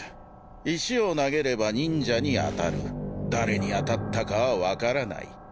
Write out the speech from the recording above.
石を投げれば忍者に当たる誰に当たったかは分からない